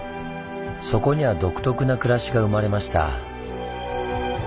そこには独特な暮らしが生まれました。